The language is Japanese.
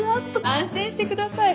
安心してください